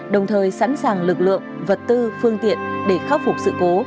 đồng thời sẵn sàng lực lượng vật tư phương tiện để khắc phục sự cố